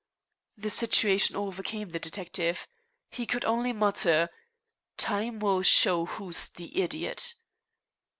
The situation overcame the detective. He could only mutter: "Time will show who's the idiot."